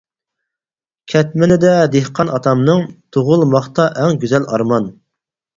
كەتمىنىدە دېھقان ئاتامنىڭ، تۇغۇلماقتا ئەڭ گۈزەل ئارمان.